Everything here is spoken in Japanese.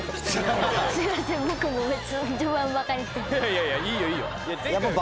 いやいやいいよいいよ。